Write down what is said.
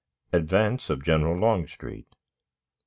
Advance of General Longstreet.